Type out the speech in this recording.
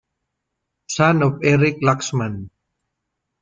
Son of Erik Laxman.